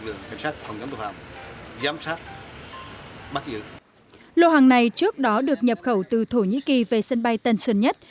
lô hàng này trước đó được nhập khẩu từ thổ nhĩ kỳ về sân bay tân sơn nhất